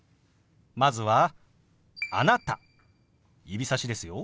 まずは「あなた」指さしですよ。